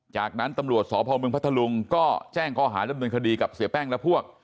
จากนั้นตำรวจสพมพัทธลุงก็แจ้งข้อหาดำเนินคดีกับเสียแป้งและพวก